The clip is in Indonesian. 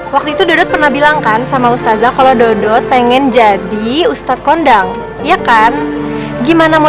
waktu itu daud pernah bilangkan sama ustazah kalau daud pengen jadi ustadz kondang ya kan gimana mau